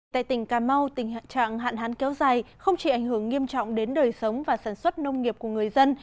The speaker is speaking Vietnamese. tại tỉnh cà mau tình trạng hạn hán kéo dài không chỉ ảnh hưởng nghiêm trọng đến đời sống và sản xuất nông nghiệp của người dân